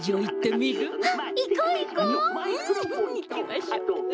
うん。いきましょう。